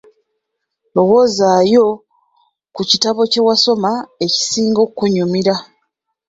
Lowoozaayo ku kitabo kye wasoma ekisinga okukunyumira.